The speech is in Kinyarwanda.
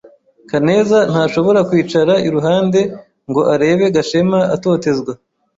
Kaneza ntashobora kwicara iruhande ngo arebe Gashema atotezwa.